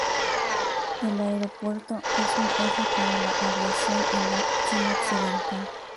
El aeropuerto es un eje para la aviación en la China occidental.